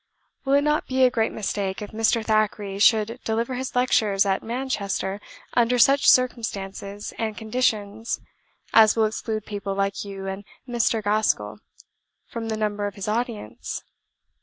"Will it not be a great mistake, if Mr. Thackeray should deliver his lectures at Manchester under such circumstances and conditions as will exclude people like you and Mr. Gaskell from the number of his audience?